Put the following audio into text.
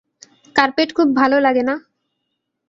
Carpet খুব ভালো লাগে না?